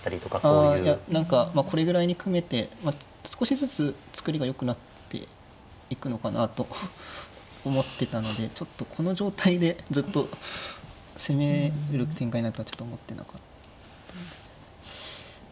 あいや何かこれぐらいに組めて少しずつ作りがよくなっていくのかなと思ってたのでちょっとこの状態でずっと攻める展開になるとはちょっと思ってなかったんですよね。